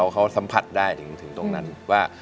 เขาสัมผัสได้ถึงตรงนั้นว่า